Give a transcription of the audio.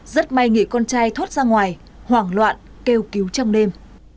rất may người con trai thoát ra ngoài hoảng loạn kêu cứu trong đêm